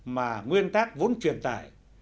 mà nguyên tác vốn truyền tải